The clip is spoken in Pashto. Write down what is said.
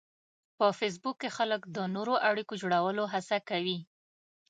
په فېسبوک کې خلک د نوو اړیکو جوړولو هڅه کوي